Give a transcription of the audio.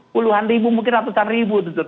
puluhan ribu mungkin ratusan ribu